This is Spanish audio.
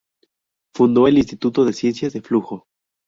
Fundó el Instituto de Ciencias de flujo.